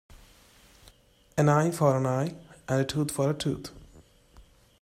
An eye for an eye and a tooth for a tooth.